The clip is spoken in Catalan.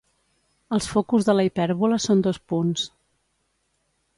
Els focus de la hipèrbola són dos punts.